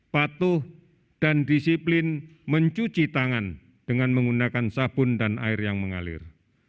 patuh dan disiplin mencuci tangan dengan menggunakan sabun dan air yang mengalir